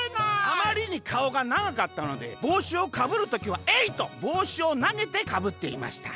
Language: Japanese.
「あまりにかおがながかったのでぼうしをかぶる時はえい！とぼうしをなげてかぶっていました。